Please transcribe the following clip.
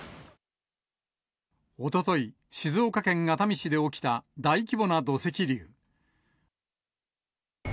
おととい、静岡県熱海市で起きた大規模な土石流。